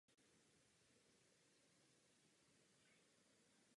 Dnes jsou patrné jen zbytky vchodu v základech sklepa.